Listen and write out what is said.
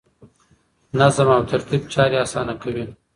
نظم او ترتیب چارې اسانه کوي.